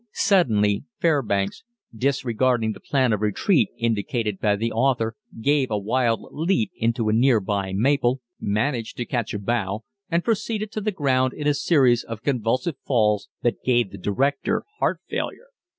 Suddenly Fairbanks, disregarding the plan of retreat indicated by the author, gave a wild leap into a near by maple, managed to catch a bough, and proceeded to the ground in a series of convulsive falls that gave the director heart failure.